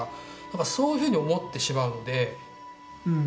そういうふうに思ってしまうので。